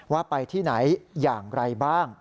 ว่าไปที่ไหนอย่างไรบ้าง